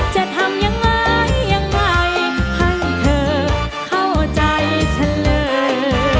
จะทำยังไงยังไงให้เธอเข้าใจฉันเลย